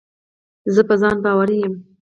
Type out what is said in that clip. زه په ځان باوري یم.